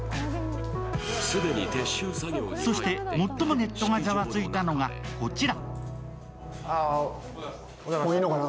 そして、最もネットがざわついたのがこちら。